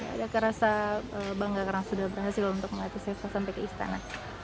ada ke rasa bangga karena sudah berhasil untuk melatih saya sampai ke istana